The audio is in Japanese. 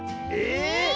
ええ！